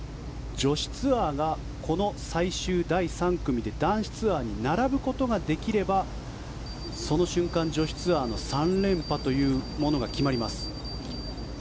女子ツアーがこの最終第３組で男子ツアーに並ぶことができればその瞬間、女子ツアーの３連覇が決まります。